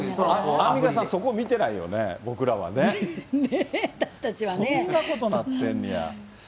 アンミカさん、そこ見てないよね、僕らはね。私たちはね。そんなことなってんねや。